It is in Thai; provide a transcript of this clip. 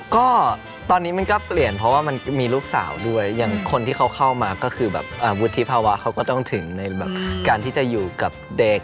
ก็ตอนนี้มันก็เปลี่ยนเพราะว่ามันมีลูกสาวด้วยอย่างคนที่เขาเข้ามาก็คือแบบวุฒิภาวะเขาก็ต้องถึงในแบบการที่จะอยู่กับเด็ก